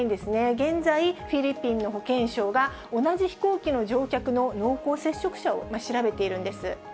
現在、フィリピンの保健省が、同じ飛行機の乗客の濃厚接触者を調べているんです。